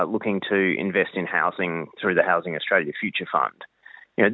mencari investasi dalam pengembangan melalui fundus pertama australia pengembangan